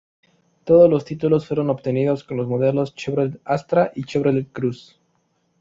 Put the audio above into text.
Todos los títulos fueron obtenidos con los modelos Chevrolet Astra y Chevrolet Cruze.